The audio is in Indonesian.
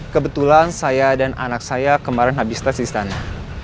kebetulan saya dan anak saya kemarin habis tes di istana